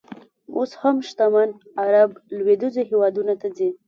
اوس هم شتمن عر ب لویدیځو هېوادونو ته ځي.